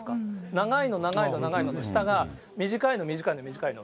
長いの長いの長いので、下が短いの短いの短いの。